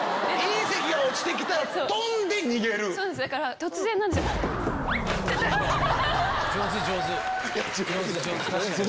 だから突然なんですよ。